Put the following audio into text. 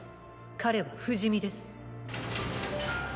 彼は不死身です。